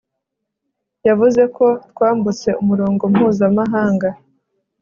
yavuze ko twambutse umurongo mpuzamahanga